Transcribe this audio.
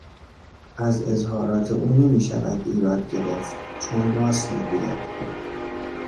از اظهارات او نمیشود ایراد گرفت چون راست میگوید.